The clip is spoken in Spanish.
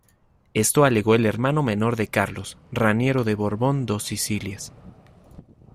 Esto alegó el hermano menor de Carlos, Raniero de Borbón-Dos Sicilias.